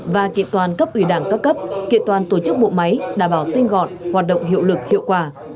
và kiện toàn cấp ủy đảng các cấp kiện toàn tổ chức bộ máy đảm bảo tinh gọn hoạt động hiệu lực hiệu quả